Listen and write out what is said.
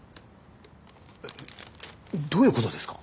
どういう事ですか？